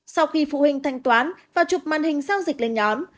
sau khi phụ huynh thanh toán và chụp màn hình giao dịch lên nhóm